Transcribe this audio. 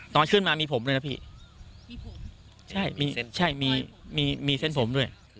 ตอนขึ้นมามีผมด้วยนะพี่มีผมใช่มีเส้นใช่มีมีเส้นผมด้วย